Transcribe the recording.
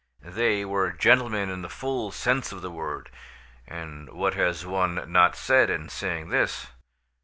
They were gentlemen in the full sense of the word; and what has one not said in saying this?